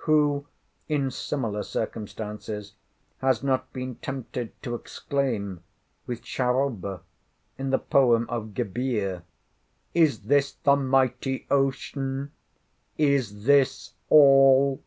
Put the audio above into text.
—Who, in similar circumstances, has not been tempted to exclaim with Charoba, in the poem of Gebir,— Is this the mighty ocean?—is this all?